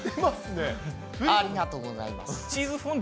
ありがとうございます。